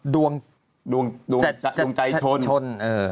ดวงใจชน